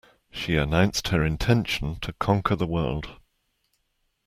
She announced her intention to conquer the world